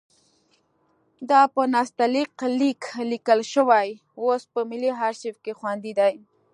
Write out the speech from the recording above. دا په نستعلیق لیک لیکل شوی اوس په ملي ارشیف کې خوندي دی.